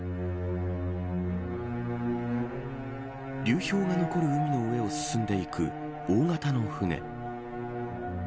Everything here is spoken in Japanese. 流氷が残る海の上を進んでいく大型の船。